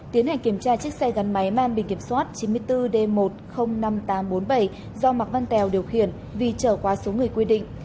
tiến hành kiểm tra chiếc xe gắn máy mang bình kiểm soát chín mươi bốn d một trăm linh năm nghìn tám trăm bốn mươi bảy do mạc văn tèo điều khiển vì trở qua số người quy định